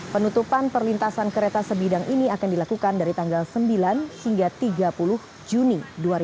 penutupan perlintasan kereta sebidang ini akan dilakukan dari tanggal sembilan hingga tiga puluh juni dua ribu dua puluh